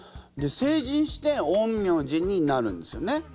で成人して陰陽師になるんですよね。